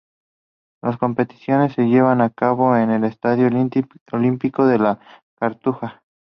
Las competiciones se llevaron a cabo en el Estadio Olímpico de La Cartuja.